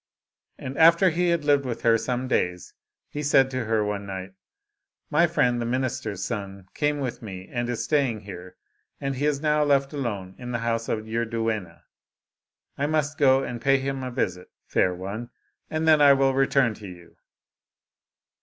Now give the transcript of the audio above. And after he had lived with her some days, he said to her one night, " My friend the minister's son came with me and is staying here, and he is now left alone in the house of your duenna ; I must go and pay him a visit, fair one, and then I will return to you."